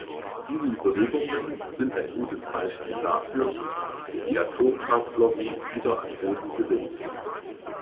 Diese Überlegungen sind ein gutes Beispiel dafür, wie die Atomkraftlobby wieder an Boden gewinnt.